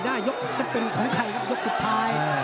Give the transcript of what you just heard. ยกจะเป็นของใครครับยกสุดท้าย